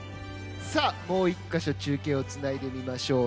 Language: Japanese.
さあ、もう１カ所中継をつないでみましょう。